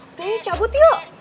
udah ya cabut yuk